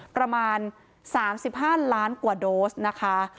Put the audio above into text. ประมาณ๓๕ล้านกว่าโดสนะคะ